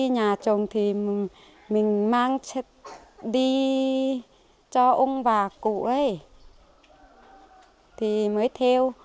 lúc có nhà chồng thì mình mang đi cho ông và cụ mới theo